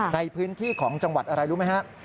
ในพื้นที่ของจังหวัดอะไรรู้ไหมฮะ